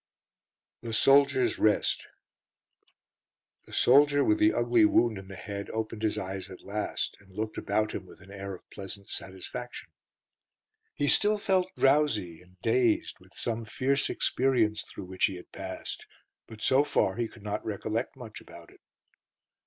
The Soldiers' Rest The soldier with the ugly wound in the head opened his eyes at last, and looked about him with an air of pleasant satisfaction. He still felt drowsy and dazed with some fierce experience through which he had passed, but so far he could not recollect much about it.